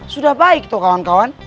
sudah baik tuh kawan kawan